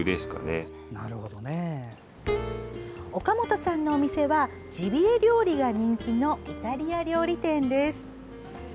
岡本さんのお店はジビエ料理が人気のイタリア料理店です。